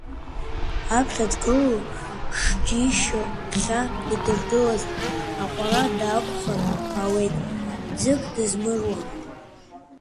Аԥхьа дгылоу шџьишьо ԥхьа идыргылаз, аҟәара даақәхар ауеит, ӡык дызмыруа.